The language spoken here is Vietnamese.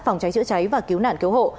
phòng cháy chữa cháy và cứu nạn cứu hộ